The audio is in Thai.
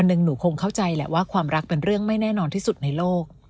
หนึ่งหนูคงเข้าใจแหละว่าความรักเป็นเรื่องไม่แน่นอนที่สุดในโลก